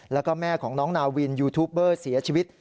แล้วก็แม่ของน้องนาวินยูทูปเบอร์เสียชีวิต